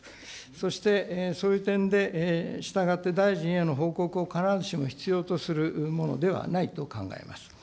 そしてそういう点で、したがって大臣への報告を必ずしも必要とするものではないと考えます。